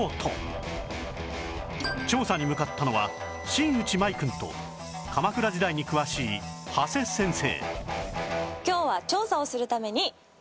調査に向かったのは新内眞衣くんと鎌倉時代に詳しい長谷先生